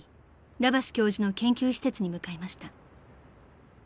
ラバシ教授の研究施設に向かいました］